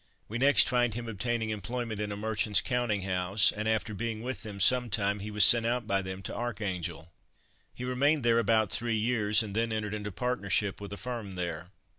We next find him obtaining employment in a merchant's counting house; and after being with them some time he was sent out by them to Archangel. He remained there about three years, and then entered into partnership with a firm there.